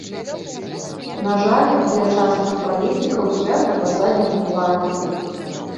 На жаль, для часткі палітыкаў свята на заднім плане.